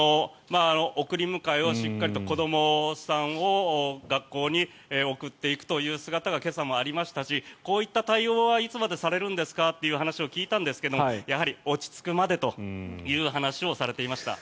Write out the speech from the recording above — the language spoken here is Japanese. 送り迎えをしっかりと子どもさんを学校に送っていくという姿が今朝もありましたしこういった対応はいつまでされるんですかという話を聞いたんですがやはり落ち着くまでという話をされていました。